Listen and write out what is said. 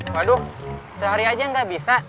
waduh sehari aja nggak bisa